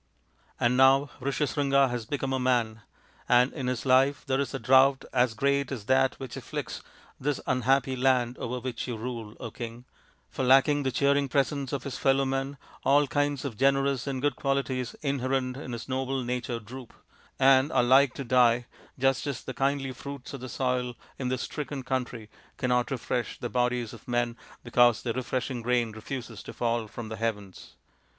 " And now Rishyasringa has become a man : and in his life there is a drought as great as that which afflicts this unhappy land over which you rule, King; for lacking the cheering presence of his fellow men all kinds of generous and good qualities inherent in his noble nature droop, and are like to die, just as the kindly fruits of the soil in this stricken country cannot refresh the bodies of men, because the refreshing rain refuses to fall from the heavens.